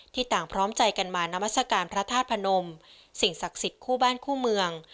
ต่างพร้อมใจกันมานามัศกาลพระธาตุพนมสิ่งศักดิ์สิทธิ์คู่บ้านคู่เมือง